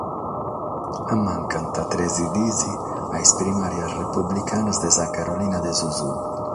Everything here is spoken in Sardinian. Mancant tres dies a is primàrias republicanas de sa Carolina de su Sud.